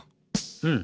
うん。